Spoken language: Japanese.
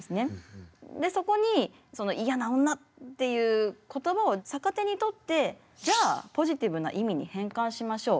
でそこにその嫌な女っていう言葉を逆手にとってじゃあポジティブな意味に変換しましょう。